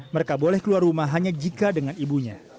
mereka boleh keluar rumah hanya jika dengan ibunya